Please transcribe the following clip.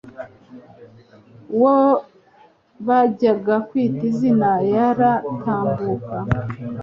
Uwo bajyaga kwita izina yaratambuka